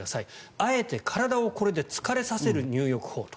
あえて体をこれで疲れさせる入浴法と。